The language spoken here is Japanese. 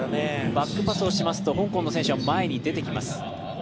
バックパスをしますと香港の選手は前に出てきます。